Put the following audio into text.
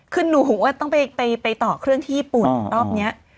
คือหนูก็ต้องไปต่อเครื่องที่ญี่ปุ่นรอบนี้